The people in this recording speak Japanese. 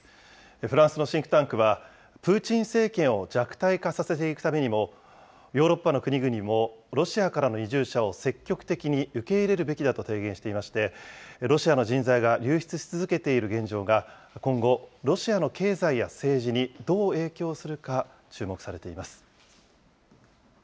フランスのシンクタンクは、プーチン政権を弱体化させていくためにも、ヨーロッパの国々もロシアからの移住者を積極的に受け入れるべきだと提言していまして、ロシアの人材が流出し続けている現状が今後、ロシアの経済や政治にどう影響するか、注目されています。